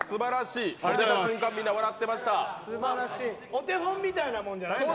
お手本みたいなもんじゃない。